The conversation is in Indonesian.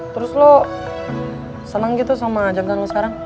terus lo seneng gitu sama jabatan lo sekarang